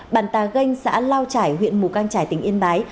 bản tà ganh xã lao trải huyện mù căng trải tỉnh yên bái